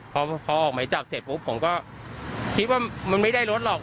พอออกไหมจับเสร็จปุ๊บผมก็คิดว่ามันไม่ได้รถหรอก